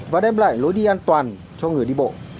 và đem lại lối đi an toàn cho người đi bộ